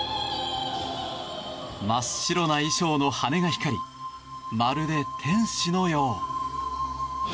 真っ白な衣装の羽が光りまるで天使のよう。